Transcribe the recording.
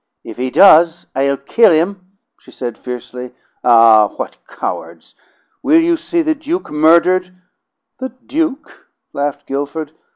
"If he does, I'll kill him!" she said fiercely. "Ah, what cowards! Will you see the Duke murdered?" "The Duke!" laughed Guilford.